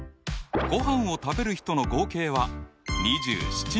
ごはんを食べる人の合計は２７人。